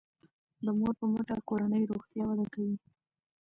د مور په مټه کورنی روغتیا وده کوي.